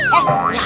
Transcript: tadi sepedanya nih